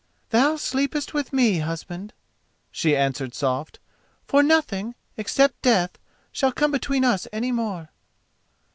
"Thou sleepest with me, husband," she answered soft, "for nothing, except Death, shall come between us any more."